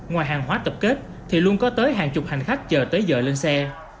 ngoài hàng hóa tập kết thì luôn có tới hàng chục hành khách chờ tới giờ lên xe